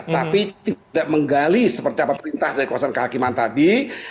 tapi tidak menggali seperti apa perintah dari kuhap tadi